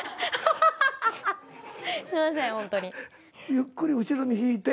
ゆっくり後ろに引いて。